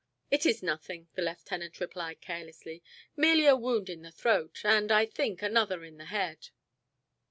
"It is nothing," the lieutenant replied carelessly; "merely a wound in the throat, and, I think, another in the head."